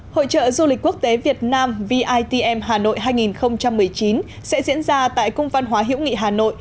hội trợ du lịch quốc tế việt nam vitm hà nội hai nghìn một mươi chín sẽ diễn ra tại cung văn hóa hiểu nghị hà nội